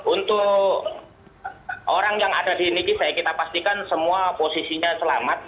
untuk orang yang ada di nikisai kita pastikan semua posisinya selamat